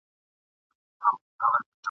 زما یې جهاني قلم د یار په نوم وهلی دی ..